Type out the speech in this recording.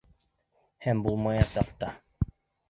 Һәм булмаясаҡ та.